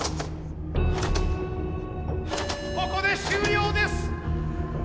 ここで終了です。